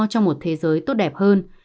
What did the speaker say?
trong một thế giới tốt đẹp hơn